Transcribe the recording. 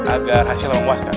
agar hasilnya memuaskan